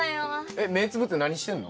えっ目つぶって何してんの？